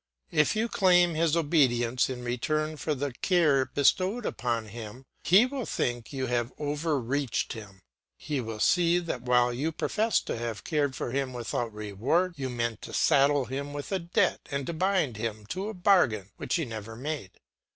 If you claim his obedience in return for the care bestowed upon him, he will think you have over reached him; he will see that while you profess to have cared for him without reward, you meant to saddle him with a debt and to bind him to a bargain which he never made.